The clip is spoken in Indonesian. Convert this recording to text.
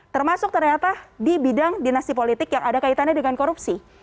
termasuk ternyata di bidang dinasti politik yang ada kaitannya dengan korupsi